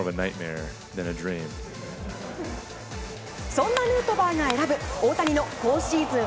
そんなヌートバーが選ぶ大谷の今シーズン